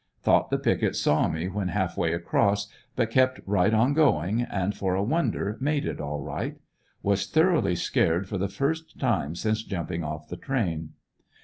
Thought the picket saw me when half way across but kept right on going, and for a wonder made it all right. Was thoroughly scared for the first time since jumping off the train.